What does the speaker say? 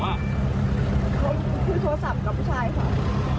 เขาคุยโทรศัพท์กับผู้ชายเขา